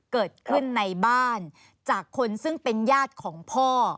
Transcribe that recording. เกิดขึ้นในบ้านจากคนซึ่งเป็นญาติของพ่อ